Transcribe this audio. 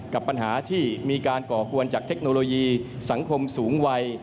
กับปัญหาที่มีการก่อกวนจากเทคโนโลยีสังคมสูงวัย